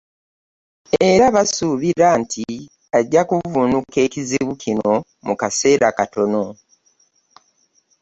Era basuubira nti ajja kuvvuunuka ekizibu kino mu kaseera akatono.